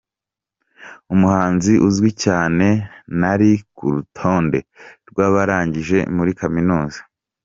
Umuhanzi uzwi cyane ntari ku rutonde rw’abarangije muri Kaminuza